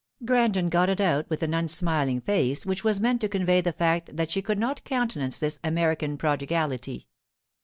Granton got it out with an unsmiling face which was meant to convey the fact that she could not countenance this American prodigality.